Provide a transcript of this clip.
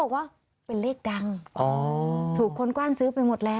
บอกว่าเป็นเลขดังถูกคนกว้านซื้อไปหมดแล้ว